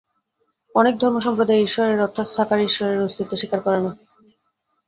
অনেক ধর্মসম্প্রদায় ঈশ্বরের অর্থাৎ সাকার ঈশ্বরের অস্তিত্ব স্বীকার করে না।